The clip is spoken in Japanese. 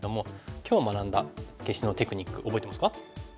今日学んだ消しのテクニック覚えてますか？